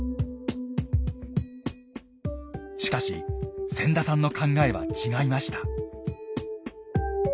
しかし千田さんの考えは違いました。